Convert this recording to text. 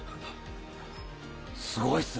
すごいっすね。